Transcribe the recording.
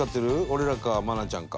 俺らか愛菜ちゃんか。